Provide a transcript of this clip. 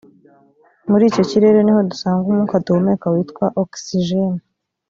muri icyo kirere ni ho dusanga umwuka duhumeka witwa okisijene